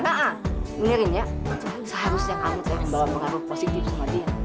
nggak menirinya seharusnya kamu terima pengaruh positif sama dia